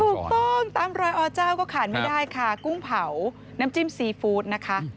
ถูกต้องตามรอยอเจ้าก็ขาดไม่ได้ค่ะกุ้งเผาน้ำจิ้มซีฟู้ดนะคะ